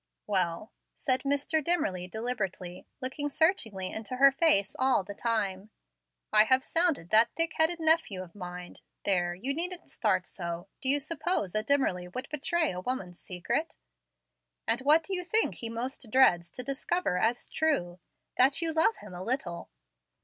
"Well," said Mr. Dimmerly, deliberately, looking searchingly into her face all the time, "I have sounded that thick headed nephew of mine there, you needn't start so: do you suppose a Dimmerly would betray a woman's secret? and what do you think he most dreads to discover as true? that you love him a little."